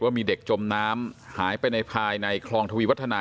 มีเด็กจมน้ำหายไปในภายในคลองทวีวัฒนา